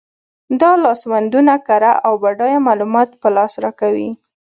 دا لاسوندونه کره او بډایه معلومات په لاس راکوي.